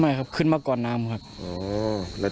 ครับขึ้นมาก่อนน้ำครับ